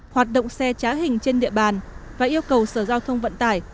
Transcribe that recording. hoạt động xe trá hình trên địa bàn và yêu cầu sở giao thông vận tải